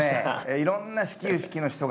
いろんな始球式の人がね